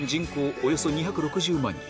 およそ２６０万人